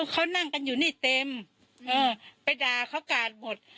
เขานั่งกันอยู่นี่เต็มไปด่าเขากาดหมด